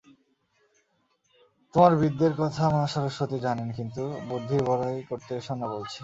তোমার বিদ্যের কথা মা সরস্বতী জানেন, কিন্তু বুদ্ধির বড়াই করতে এসো না বলছি।